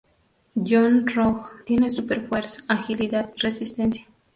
Yon-Rogg tiene súper fuerza, agilidad y resistencia.